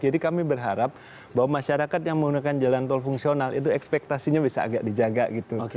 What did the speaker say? jadi kami berharap bahwa masyarakat yang menggunakan jalan tol fungsional itu ekspektasinya bisa agak dijaga gitu